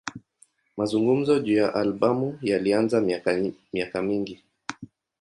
Mazungumzo juu ya albamu yalianza miaka mingi.